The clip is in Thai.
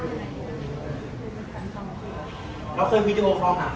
ไม่เคยค่ะ